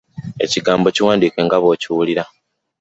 Ekigambo kiwandiike nga bw'okiwulira.